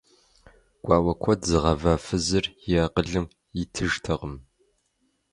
Гуауэ куэд зыгъэва фызыр и акъылым итыжтэкъым.